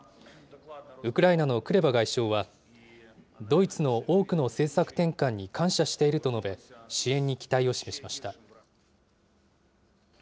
ウクライナのクレバ外相は、ドイツの多くの政策転換に感謝していると述べ、支援に期待を示しました。